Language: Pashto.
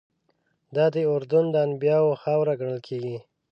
دادی اردن د انبیاوو خاوره ګڼل کېږي.